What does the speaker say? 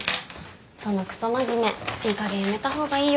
そのくそ真面目いいかげんやめた方がいいよ。